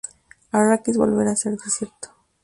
Arrakis volverá a ser desierto.